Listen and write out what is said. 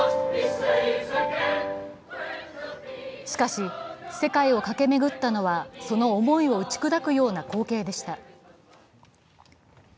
しかし、世界を駆け巡ったのはその思いを打ち砕くような光景でした。